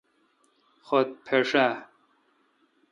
خط پھݭ آ؟